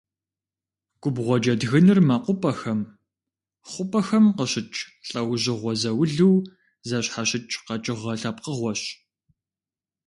Губгъуэ джэдгынр мэкъупӏэхэм, хъупӏэхэм къыщыкӏ, лӏэужьыгъуэ заулу зэщхьэщыкӏ къэкӏыгъэ лъэпкъыгъуэщ.